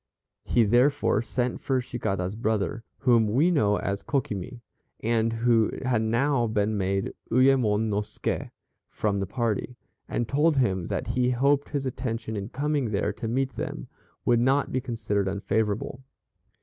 He therefore sent for Cicada's brother whom we know as Kokimi, and who had now been made Uyemon no Ske from the party, and told him that he hoped his attention in coming there to meet them would not be considered unfavorable.